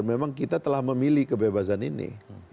memang kita telah memilih kebebasan ini